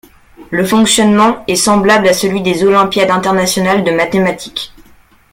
Le fonctionnement est semblable à celui des olympiades internationales de mathématiques.